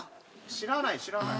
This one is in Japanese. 知らない知らない。